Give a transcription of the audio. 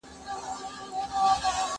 ما مخکي د سبا لپاره د هنرونو تمرين کړی وو